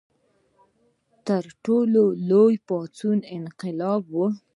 تر ټولو لوی پاڅون انقلاب و.